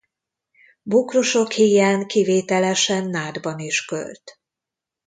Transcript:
Bokrosok híján kivételesen nádban is költ.